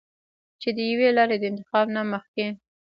چې د يوې لارې د انتخاب نه مخکښې